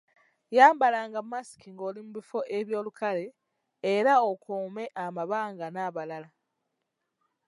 Yambalanga masiki ng'oli mu bifo eby'olukale era okuume amabanga n'abalala.